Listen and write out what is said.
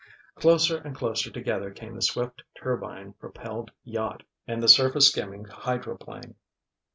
Closer and closer together came the swift turbine propelled yacht and the surface skimming hydroplane.